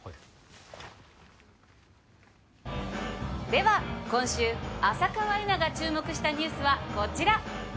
では今週浅川恵那が注目したニュースはこちら。